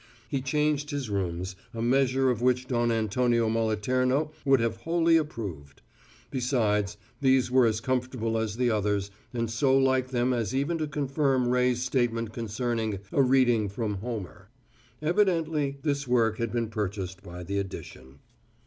He changed his rooms, a measure of which Don Antonio Moliterno would have wholly approved. Besides, these were as comfortable as the others, and so like them as even to confirm Ray's statement concerning "A Reading from Homer": evidently this work had been purchased by the edition.